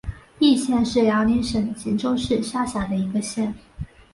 义县是辽宁省锦州市下辖的一个县。